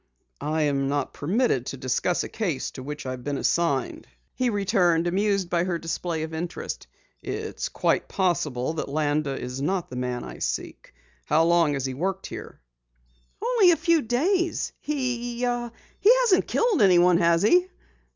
"I am not permitted to discuss a case to which I have been assigned," he returned, amused by her display of interest. "It's quite possible that Landa is not the man I seek. How long has he worked here?" "Only a few days. He he hasn't killed anyone, has he?"